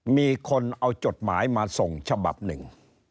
มีคนเอาจดหมายมาส่งฉบับหนึ่ง